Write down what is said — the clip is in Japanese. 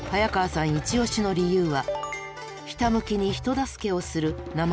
イチ推しの理由は「ひたむきに人助けをする」でも